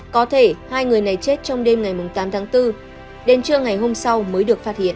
có thể hai người này chết trong đêm ngày tám tháng bốn đến trưa ngày hôm sau mới được phát hiện